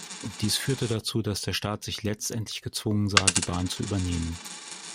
Dies führte dazu, dass der Staat sich letztendlich gezwungen sah, die Bahn zu übernehmen.